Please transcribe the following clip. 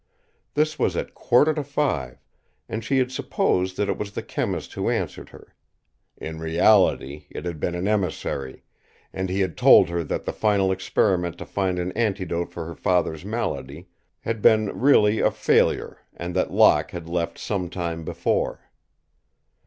This was at quarter to five, and she had supposed that it was the chemist who answered her. In reality it had been an emissary, and he had told her that the final experiment to find an antidote for her father's malady had been really a failure and that Locke had left some time before.